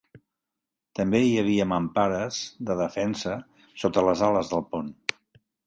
També hi havia mampares de defensa sota les ales del pont.